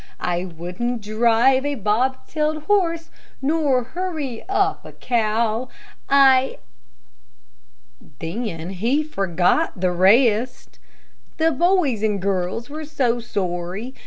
"I wouldn't drive a bob tailed horse, Nor hurry up a cow, I " Then he forgot the rest. The boys and girls were so sorry.